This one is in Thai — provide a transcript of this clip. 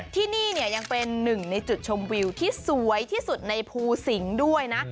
ที่นี่เนี่ยยังเป็นหนึ่งในจุดชมวิวที่สวยที่สุดในภูสิงศ์ด้วยนะ